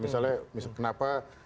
misalnya misalnya kenapa